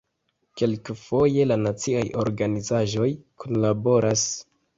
Kelkfoje la naciaj organizaĵoj kunlaboras.